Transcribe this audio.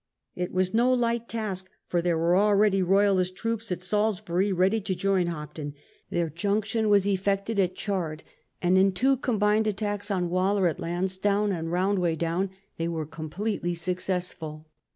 It was no light task, for there were already Royalist troops at Salisbury ready to join Hopton : their junction was effected at Chard, and in two combined attacks on Waller at Lansdown and Roundway Down they were completely successful.